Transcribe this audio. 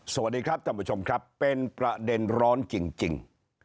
สวัสดีครับท่านผู้ชมครับเป็นประเด็นร้อนจริง